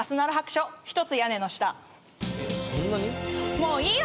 もういいよ！